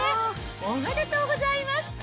おめでとうございます。